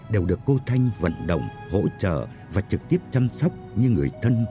đều được cô thanh vận động hỗ trợ và trực tiếp chăm sóc như người thân